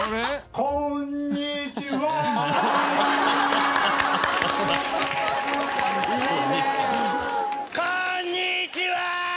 こんにちは！！